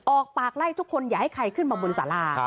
ออกปากไล่ทุกคนอย่าให้ใครขึ้นมาบนสารา